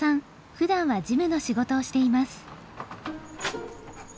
ふだんは事務の仕事をしています。